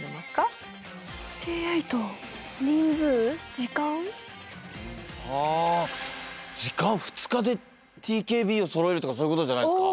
時間２日でＴＫＢをそろえるとかそういうことじゃないですか？